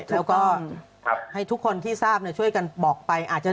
แล้วก็ให้ทุกคนที่ทราบช่วยกันบอกไปอาจจะ